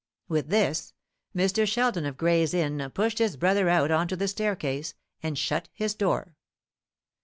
With this, Mr. Sheldon of Gray's Inn pushed his brother out on to the staircase, and shut his door.